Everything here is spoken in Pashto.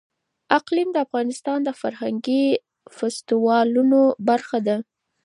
اقلیم د افغانستان د فرهنګي فستیوالونو برخه ده.